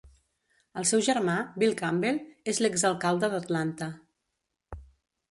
El seu germà, Bill Campbell, és l'exalcalde d'Atlanta.